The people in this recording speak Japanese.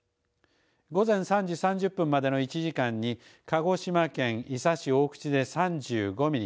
午前３時３０分までの１時間に鹿児島県伊佐市大口で３５ミリ